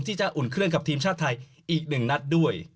ที่จะอุ่นเครื่องกับทีมชาติไทยอีกหนึ่งนัดด้วย